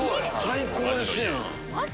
最高ですやん！